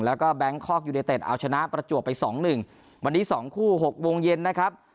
แล้วก็แบงค์คอกยูเนเต็ดเอาชนะประจวบไป๒๑วันนี้๒คู่๖วงเย็นนะครับ